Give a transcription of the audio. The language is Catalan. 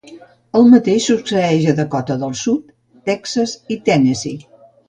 El mateix succeeix a Dakota del Sud, Texas, i Tennessee.